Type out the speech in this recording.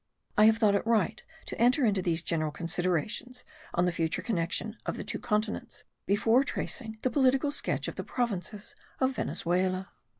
I have thought it right to enter into these general considerations on the future connection of the two continents, before tracing the political sketch of the provinces of Venezuela.